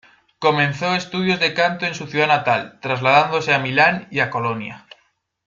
Comenzó estudios de canto en su ciudad natal, trasladándose a Milán y a Colonia.